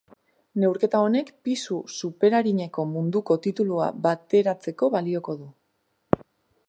Neurketa honek pisu superarineko munduko titulua bateratzeko balioko du.